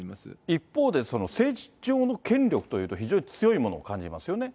一方で、政治上の権力というと、非常に強いものを感じますよね。